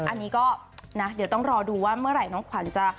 อันนี้ก็นะเดี๋ยวต้องรอดูว่าเมื่อไหร่น้องขวัญจะ